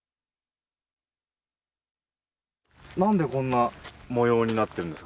何でこんな模様になってるんですか？